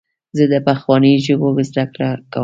زه د پخوانیو ژبو زدهکړه کوم.